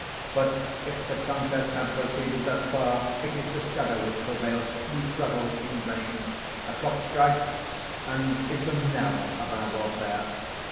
But, if the contest have proceeded thus far, it is the shadow which prevails,—we struggle in vain. The clock strikes, and is the knell of our welfare.